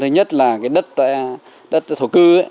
nhất là đất thổ cư